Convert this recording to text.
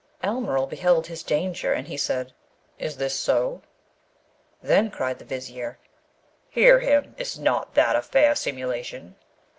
Almeryl beheld his danger, and he said, 'Is this so?' Then cried the Vizier, 'Hear him! is not that a fair simulation?'